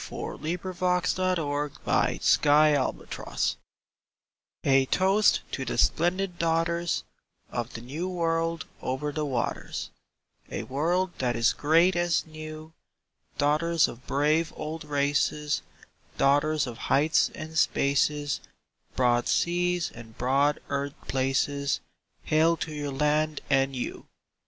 TO THE WOMEN OF AUSTRALIA A toast to the splendid daughters Of the New World over the waters, A world that is great as new; Daughters of brave old races, Daughters of heights and spaces, Broad seas and broad earth places— Hail to your land and you!